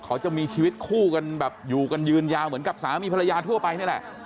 เขาจะมีชีวิตคู่กันแบบอยู่กันยืนยาวเหมือนกับสามีภรรยาทั่วไปนี่แหละ